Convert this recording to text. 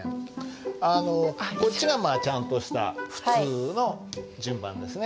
あのこっちがまあちゃんとした普通の順番ですね。